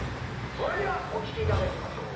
それではお聞きいただきましょう。